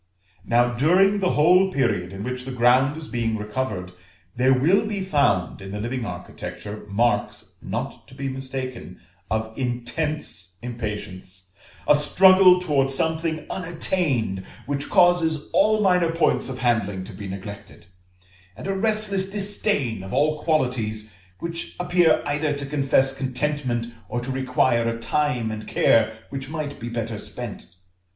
Now during the whole period in which the ground is being recovered, there will be found in the living architecture marks not to be mistaken, of intense impatience; a struggle towards something unattained, which causes all minor points of handling to be neglected; and a restless disdain of all qualities which appear either to confess contentment or to require a time and care which might be better spent.